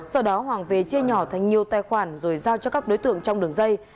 sau đó hoàng về chia nhỏ thành nhiều tài khoản rồi giao cho các đối tượng trong đường dây